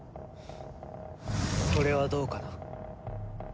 それはどうかな？